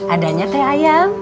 adanya teh ayam